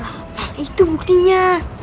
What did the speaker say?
nah itu buktinya